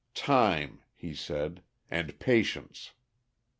"Time," he said, "and patience."